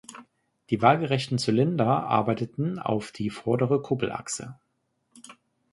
Die waagerechten Zylinder arbeiteten auf die vordere Kuppelachse.